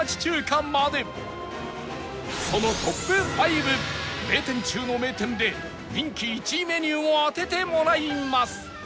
そのトップ５名店中の名店で人気１位メニューを当ててもらいます